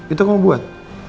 itu kamu buat